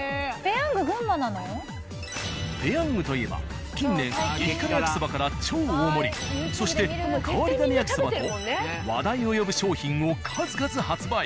ペヤングといえば近年激辛焼きそばから超大盛りそして変わり種焼きそばと話題を呼ぶ商品を数々発売。